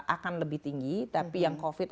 akan lebih tinggi tapi yang covid